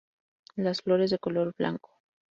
Las flores de color blanco.